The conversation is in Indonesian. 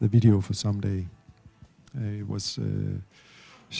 video itu pada suatu hari